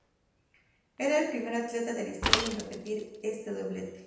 Era el primer atleta de la historia en repetir este doblete.